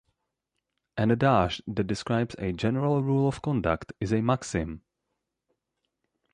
An adage that describes a general rule of conduct is a "maxim".